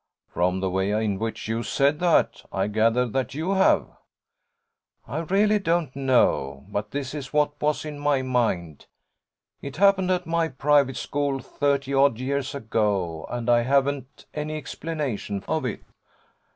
'From the way in which you said that, I gather that you have.' 'I really don't know; but this is what was in my mind. It happened at my private school thirty odd years ago, and I haven't any explanation of it.